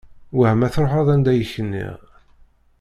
Wah ma truḥeḍ anda i k-nniɣ?